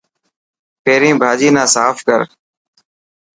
پهرين ڀاڄي نه ساف ڪر.